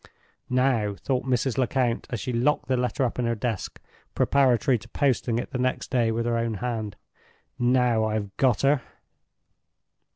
"Now," thought Mrs. Lecount, as she locked the letter up in her desk, preparatory to posting it the next day with her own hand, "now I have got her!"